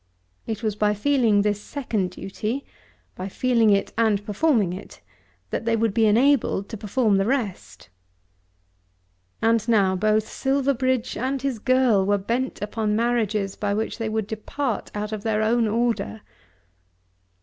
It was by feeling this second duty, by feeling it and performing it, that they would be enabled to perform the rest. And now both Silverbridge and his girl were bent upon marriages by which they would depart out of their own order!